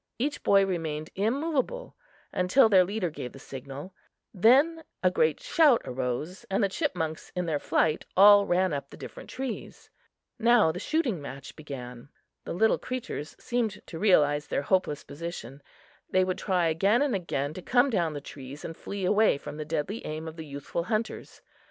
Each boy remained immovable until their leader gave the signal; then a great shout arose, and the chipmunks in their flight all ran up the different trees. Now the shooting match began. The little creatures seemed to realize their hopeless position; they would try again and again to come down the trees and flee away from the deadly aim of the youthful hunters.